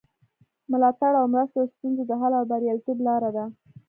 ملاتړ او مرسته د ستونزو د حل او بریالیتوب لاره ده.